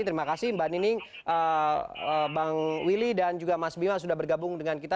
terima kasih mbak nining bang willy dan juga mas bima sudah bergabung dengan kita